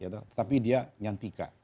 tetapi dia nyantika